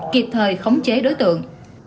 kịp thời khống chế đối tượng